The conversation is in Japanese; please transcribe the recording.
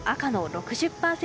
６０％